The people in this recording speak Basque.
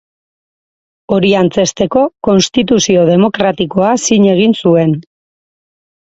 Hori antzezteko, konstituzio demokratikoa zin egin zuen.